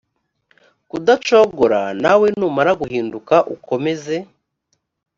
kudacogora nawe numara guhinduka ukomeze